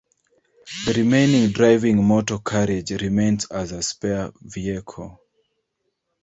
The remaining driving motor carriage remains as a spare vehicle.